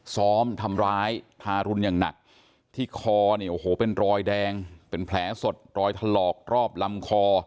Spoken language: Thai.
ซ้อมทำร้ายทารุณอย่างหนักที่คอเนี่ยโอ้โหเป็นรอยแดงเป็นแผลสดรอยถลอกรอบลำคอ